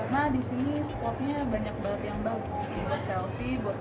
karena di sini spotnya banyak banget yang bagus